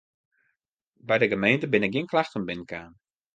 By de gemeente binne gjin klachten binnen kaam.